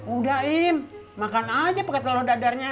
udah im makan aja pakai telur dadarnya